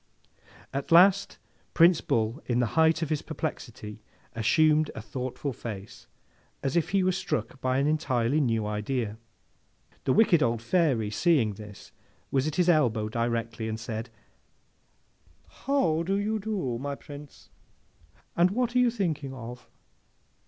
At last, Prince Bull in the height of his perplexity assumed a thoughtful face, as if he were struck by an entirely new idea. The wicked old Fairy, seeing this, was at his elbow directly, and said, 'How do you do, my Prince, and what are you thinking of?